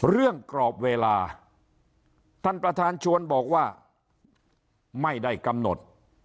กรอบเวลาท่านประธานชวนบอกว่าไม่ได้กำหนด